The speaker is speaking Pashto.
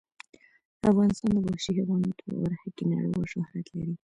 افغانستان د وحشي حیواناتو په برخه کې نړیوال شهرت لري.